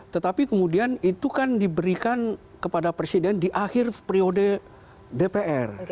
tetapi kemudian itu kan diberikan kepada presiden di akhir periode dpr